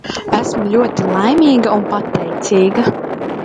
Esmu ļoti laimīga un pateicīga.